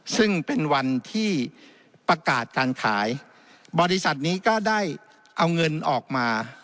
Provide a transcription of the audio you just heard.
ซึ่งเป็นวันที่ประกาศการขายบริษัทนี้ก็ได้เอาเงินออกมา